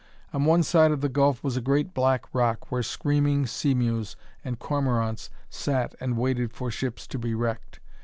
On one side of the gulf was a great black rock where screaming seamews and cormorants sat and waited for ships to be wrecked.